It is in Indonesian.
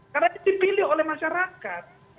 karena itu dipilih oleh masyarakat